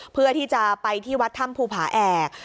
เพื่อที่จะไปที่วัดถ้ำภูผาแอก